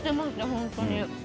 本当に。